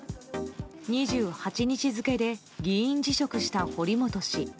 ２８日付で議員辞職した堀本氏。